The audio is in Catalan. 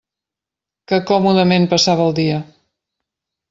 Que còmodament passava el dia!